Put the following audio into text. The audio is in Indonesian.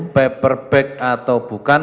apakah itu paperback atau bukan